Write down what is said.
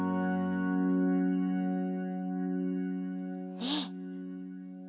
ねえ。